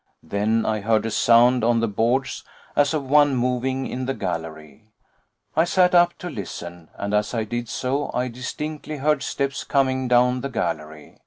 Then I heard a sound on the boards as of one moving in the gallery. I sat up to listen, and as I did so I distinctly heard steps coming down the gallery.